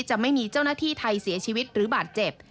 จะไม่มีเจ้าหน้าที่ไทยเสียชีวิตหรือบาดเจ็บ